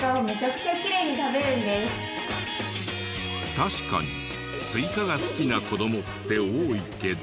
確かにスイカが好きな子どもって多いけど。